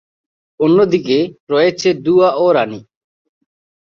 অন্যদিকে রয়েছে দুয়া ও রানি।